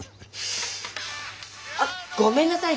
あごめんなさい。